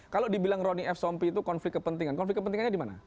kalau dibilang ronny f sompi itu konflik kepentingan konflik kepentingannya di mana